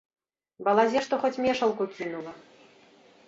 Балазе што хоць мешалку кінула.